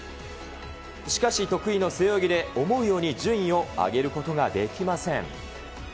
しかし、得意の背泳ぎで思うように順位を上げることができません。